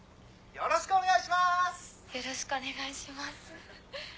よろしくお願いします。